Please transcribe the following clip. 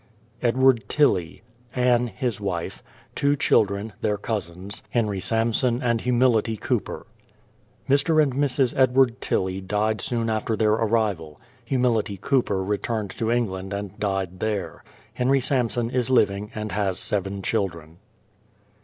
EDWARD TILLIE; Anne, his wife; two children (their cousins), HENRY SAMSON and HUMILITY COOPER. Mr. and Mrs. Edward Tillie died soon after their arrival. Humility Cooper returned to England and died there. Henry Samson is living and has seven children.